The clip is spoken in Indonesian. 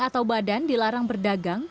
atau badan dilarang berdagang